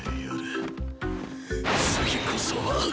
次こそは！